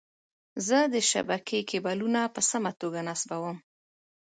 زه د شبکې کیبلونه په سمه توګه نصبووم.